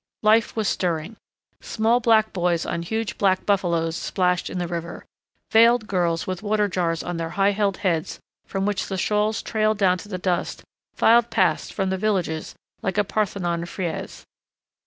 Life was stirring. Small black boys on huge black buffaloes splashed in the river. Veiled girls with water jars on their high held heads from which the shawls trailed down to the dust filed past from the villages like a Parthenon frieze.